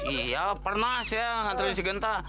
iya pernah saya nganterin si genta